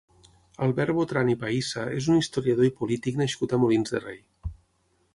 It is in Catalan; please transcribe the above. Albert Botran i Pahissa és un historiador i polític nascut a Molins de Rei.